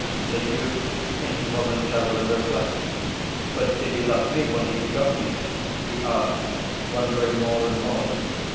The youth involuntarily reflects: 'But did he love me when he begot me?' he asks, wondering more and more.